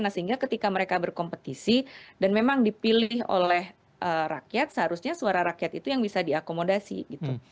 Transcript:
sehingga ketika mereka berkompetisi dan memang dipilih oleh rakyat seharusnya suara rakyat itu yang bisa diakomodasi gitu